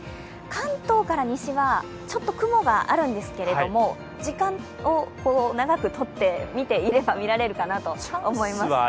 関東から西はちょっと雲があるんですけれども、時間を長くとって見ていれば、見られるかなと思います。